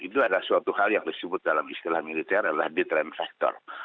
itu adalah suatu hal yang disebut dalam istilah militer adalah deterrem factor